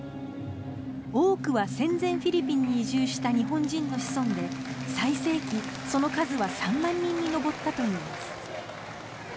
多くは戦前フィリピンに移住した日本人の子孫で最盛期、その数は３万人に上ったといいます。